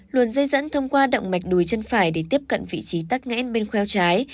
luồn dây dẫn thông qua động mạch đùi chân phải để tiếp cận vị trí tắc nghẽn bên khoeo trái